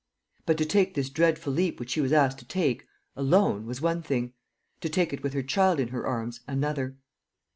But to take this dreadful leap which she was asked to take, alone, was one thing; to take it with her child in her arms, another.